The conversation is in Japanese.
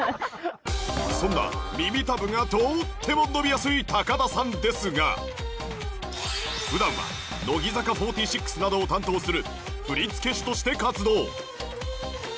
そんな耳たぶがとっても伸びやすい高田さんですが普段は乃木坂４６などを担当する振付師として活動